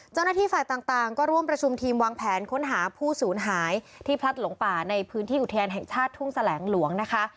เจ้าหน้าที่ฝ่ายต่างก็ร่วมประชุมทีมวางแผนค้นหาผู้สูญหายที่พลัดหลงป่าในพื้นที่อุทยานแห่งชาติทุ่งแสลงหลวงนะคะ